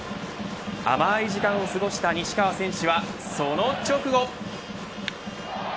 甘い時間を過ごした西川選手はその直後。